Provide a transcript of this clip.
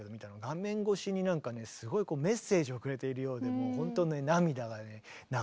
画面越しになんかねすごいメッセージをくれているようでもうほんとね涙がね流れました。